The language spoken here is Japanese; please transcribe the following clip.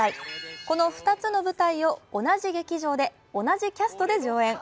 この２つの舞台を同じ劇場で同じキャストで上演。